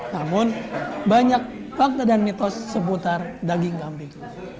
namun banyak fakta dan mitos seputar daging kambing